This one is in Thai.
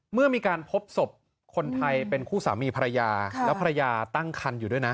เมื่อมีการพบศพคนไทยเป็นคู่สามีภรรยาแล้วภรรยาตั้งคันอยู่ด้วยนะ